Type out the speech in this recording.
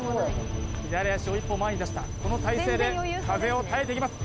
左足を一歩前に出したこの体勢で風を耐えていきます